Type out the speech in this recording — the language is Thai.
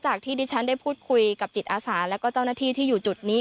ที่ดิฉันได้พูดคุยกับจิตอาสาแล้วก็เจ้าหน้าที่ที่อยู่จุดนี้